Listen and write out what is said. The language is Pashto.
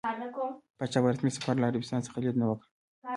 پاچا په رسمي سفر له عربستان څخه ليدنه وکړه.